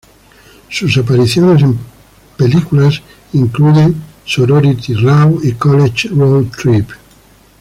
Sus apariciones en películas incluyen "Sorority Row" y "College Road Trip".